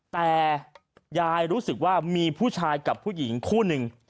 แต่ยายรู้สึกว่ามีผู้ชายกับผู้หญิงคู่หนึ่ง